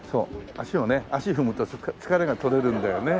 足踏むと疲れが取れるんだよね。